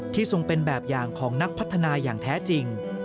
ทรงเป็นแบบอย่างของนักพัฒนาอย่างแท้จริง